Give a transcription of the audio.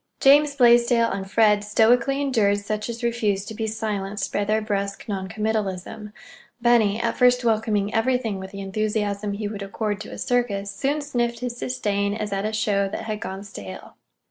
James Blaisdell and Fred stoically endured such as refused to be silenced by their brusque non committalism. Benny, at first welcoming everything with the enthusiasm he would accord to a circus, soon sniffed his disdain, as at a show that had gone stale.